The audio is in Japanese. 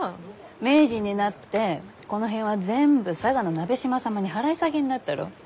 明治になってこの辺は全部佐賀の鍋島様に払い下げになったろう？